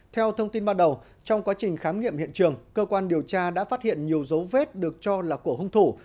theo thông tin ban đầu trong quá trình khám nghiệm hiện trường cơ quan điều tra đã phát hiện nhiều dấu vết được cho là của hung thủ